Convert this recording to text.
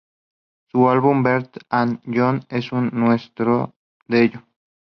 Su álbum "Bert an John" es una muestra de ello.